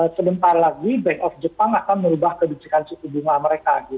sebentar lagi bank of jepang akan merubah kebijakan suku bunga mereka